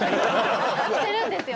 してるんですよ